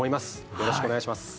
よろしくお願いします